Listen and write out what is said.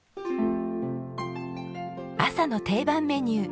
朝の定番メニュー